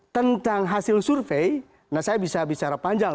tentang hasil survei nah saya bisa bicara panjang